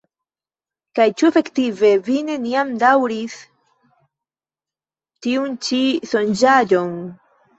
Kaj ĉu efektive vi neniam bedaŭris tiun ĉi sonĝaĵon?